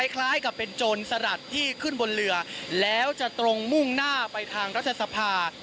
คล้ายกับเป็นโจรสลัดที่ขึ้นบนเรือแล้วจะตรงมุ่งหน้าไปทางรัฐสภา